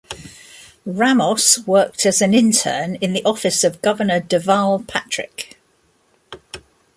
Ramos worked as an intern in the office of Governor Deval Patrick.